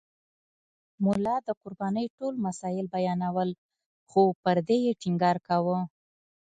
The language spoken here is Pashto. ملا د قربانۍ ټول مسایل بیانول خو پر دې یې ټینګار کاوه.